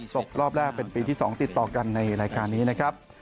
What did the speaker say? จบรอบแรกเป็นปีที่๒ติดต่อกันในรายการนี้นะครับ